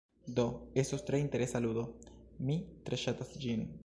Do, estos tre interesa ludo, mi tre ŝatas ĝin.